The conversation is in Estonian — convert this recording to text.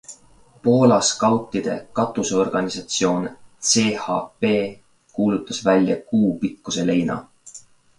Poola skautide katuseorganisatsioon ZHP kuulutas välja kuu pikkuse leina.